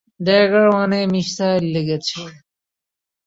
Dagger ওয়ানে missile লেগেছে!